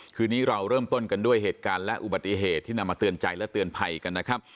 คืนนี้เราเริ่มต้นกันด้วยเหตุการณ์และอุบัติเหตุที่นำมาเตือนใจและเตือนภัยกันนะครับ